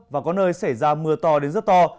và có nơi xảy ra mưa to đến rất to